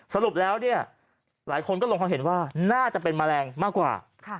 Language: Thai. สรุปแล้วเนี่ยหลายคนก็ลงความเห็นว่าน่าจะเป็นแมลงมากกว่า